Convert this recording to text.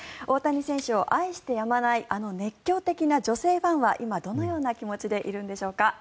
大谷選手を愛してやまないあの熱狂的な女性ファンは今、どのような気持ちでいるのでしょうか。